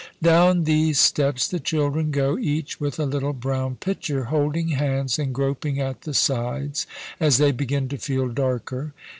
Down these steps the children go, each with a little brown pitcher, holding hands and groping at the sides, as they begin to feel darker.